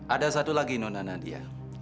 ada satu lagi nona nadia